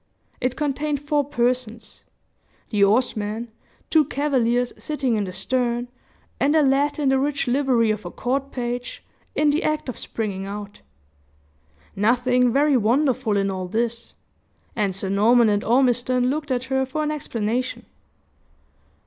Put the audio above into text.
It contained four persons the oarsman, two cavaliers sitting in the stern, and a lad in the rich livery of a court page in the act of springing out. Nothing very wonderful in all this; and Sir Norman and Ormiston looked at her for an explanation.